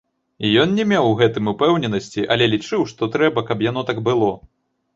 Ён не меў у гэтым упэўненасці, але лічыў, што трэба, каб яно так было.